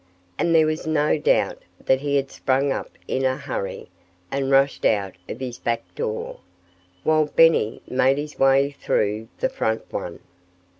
And there was no doubt that he had sprung up in a hurry and rushed out of his back door, while Benny made his way through the front one.